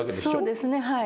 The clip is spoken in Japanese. そうですねはい。